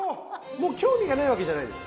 もう興味がないわけじゃないです。